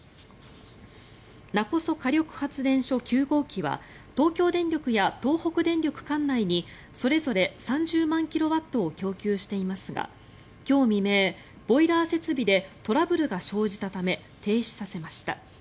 勿来火力発電所９号機は東京電力や東北電力管内にそれぞれ３０万キロワットを供給していますが今日未明、ボイラー設備でトラブルが生じたため停止させました。